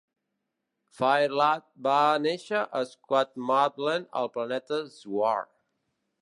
Fire Lad va néixer a Staq Mavlen al planeta Shwar.